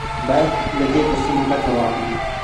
باید له دې درسونو ګټه واخلو.